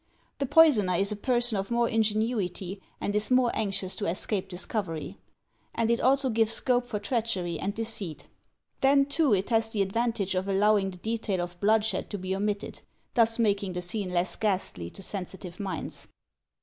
The poisoner is a person of more ingenuity and is more anxious to escape dis covery; and it also gives scope for treachery and deceit. Then, too, it has the advantage of allowing the detail of 248 THE TECHNIQUE OF THE MYSTERY STORY bloodshed to be omitted, thus making the scene less ghastly to sensitive minds.